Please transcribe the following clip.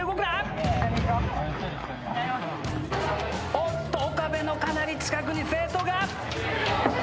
おっと岡部のかなり近くに生徒が。